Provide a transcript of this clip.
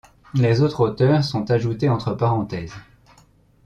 Les autres auteurs sont ajoutés entre parenthèses.